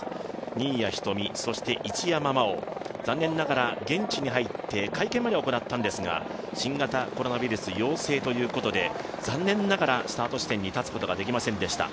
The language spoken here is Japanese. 新谷仁美、そして一山麻緒残念ながら、現地に入って会見まで行ったんですが新型コロナウイルス陽性ということで、残念ながらスタート地点に立つことができませんでした。